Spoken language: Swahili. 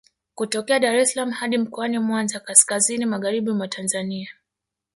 Kutokea Dar es salaam hadi Mkoani Mwanza kaskazini magharibi mwa Tanzania